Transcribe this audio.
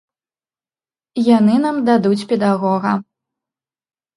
Яны нам дадуць педагога.